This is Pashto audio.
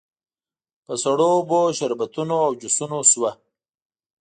په سړو اوبو، شربتونو او جوسونو شوه.